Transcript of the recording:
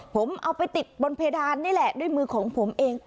ผมเอาไปติดบนเพดานนี่แหละด้วยมือของผมเอง